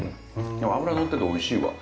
脂が乗ってておいしいわ。